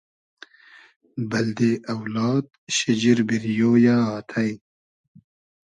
بئلدې اۆلاد شیجیر بیریۉ یۂ آتݷ